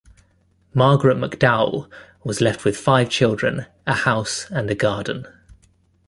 Margaret McDowell was left with five children, a house and a garden.